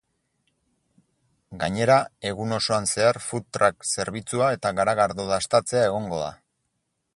Gainera, egun osoan zehar food truck zerbitzua eta garagardo dastatzea egongo da.